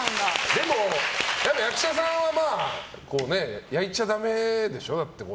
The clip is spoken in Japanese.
でも、役者さんは焼いちゃダメでしょ。